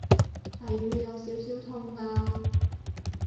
係會有少少痛㗎